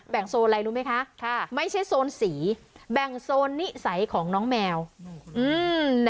โซนอะไรรู้ไหมคะค่ะไม่ใช่โซนสีแบ่งโซนนิสัยของน้องแมวอืม